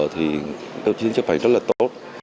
thì chắc phải rất là tốt